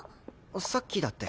さっきだって。